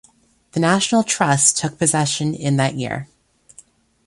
The National Trust took possession in that year.